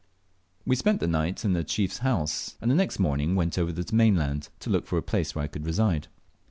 We spent the night in the chief's house, and the next morning went over to the mainland to look out for a place where I could reside.